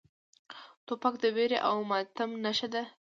توپک د ویر او ماتم نښه ده.